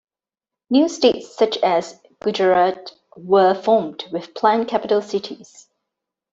New states such as Gujarat were formed with planned capital cities.